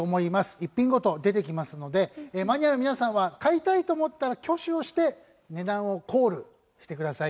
１品ごと出てきますのでマニアの皆さんは買いたいと思ったら挙手をして値段をコールしてください。